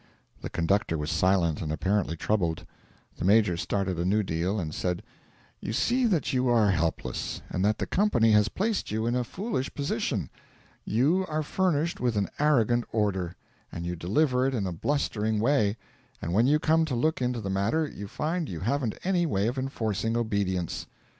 The conductor was silent and apparently troubled. The Major started a new deal, and said: 'You see that you are helpless, and that the company has placed you in a foolish position. You are furnished with an arrogant order, and you deliver it in a blustering way, and when you come to look into the matter you find you haven't any way of enforcing obedience.'